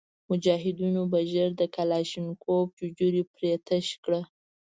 مجاهدینو به ژر د کلشینکوف ججوري پرې تش کړ.